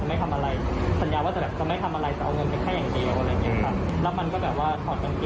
ถักมันก็เริ่มเอาไฟฉายของหน้าหนู